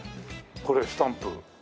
これスタンプ。